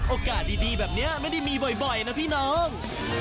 โอกาสดีแบบนี้ไม่ได้มีบ่อยนะพี่น้อง